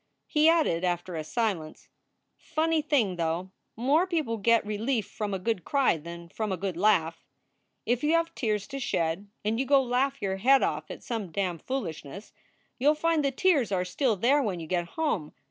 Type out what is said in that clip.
He added, after a silence: Funny thing, though; more people get relief from a good cry than from a good laugh. If you have tears to shed, and you go laugh your head off at some damfoolishness, you ll find the tears are still there when you get home.